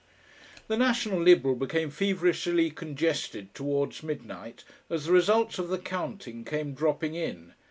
The National Liberal became feverishly congested towards midnight as the results of the counting came dropping in.